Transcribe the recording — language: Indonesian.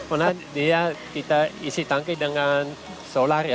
karena dia kita isi tangki dengan solar ya